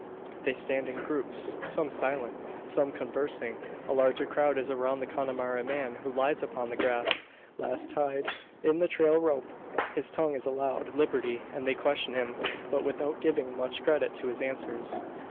They stand in groups some silent, some conversing. A larger crowd is around the Connemara man; who lies upon the grass, last tied in the trail rope. His tongue is allowed liberty; and they question him, but without giving much credit to his answers.